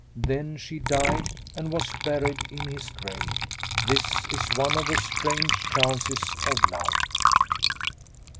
Then she died and was buried in his grave. This is one of the strange chances of love.